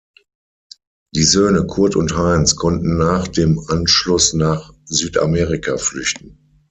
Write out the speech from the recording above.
Die Söhne Kurt und Heinz konnten nach dem Anschluss nach Südamerika flüchten.